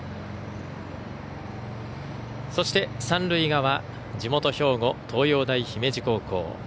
そして三塁側地元・兵庫、東洋大姫路高校。